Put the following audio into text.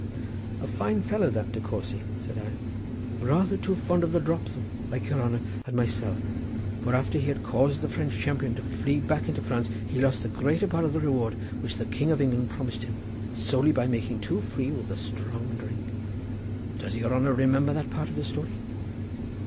"A fine fellow that De Courcy," said I. "Rather too fond of the drop though, like your honour and myself, for after he had caused the French champion to flee back into France he lost the greater part of the reward which the King of England promised him solely by making too free with the strong drink. Does your honour remember that part of the story?"